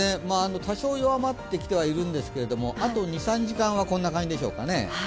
多少弱まってきてはいるんですがあと２３時間はこんな感じでしょうかね。